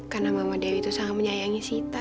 karena mama dewi tuh sangat menyayangi sita